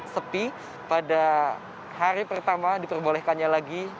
sepi pada hari pertama diperbolehkannya lagi